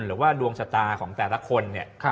หรือว่าดวงชะตาของแต่ละคน